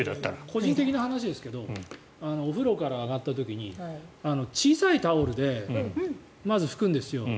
個人的な話ですけどお風呂から上がった時に小さいタオルでまず拭くんですよ。